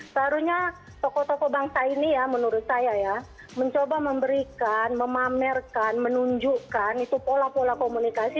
seharusnya tokoh tokoh bangsa ini ya menurut saya ya mencoba memberikan memamerkan menunjukkan itu pola pola komunikasi